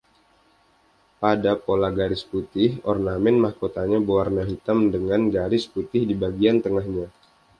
Pada pola garis putih, ornamen mahkotanya berwarna hitam dengan garis putih di bagian tengahnya.